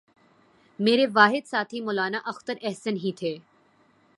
میرے واحد ساتھی مولانا اختر احسن ہی تھے